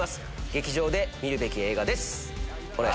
劇場で見るべき映画です。